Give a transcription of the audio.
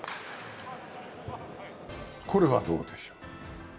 これはどうでしょう？